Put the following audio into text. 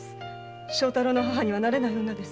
正太郎の母にはなれない女です。